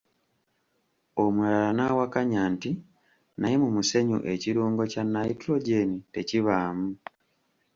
Omulala n’awakanya nti, “Naye mu musenyu ekirungo kya ''nitrogen'' tekibaamu.”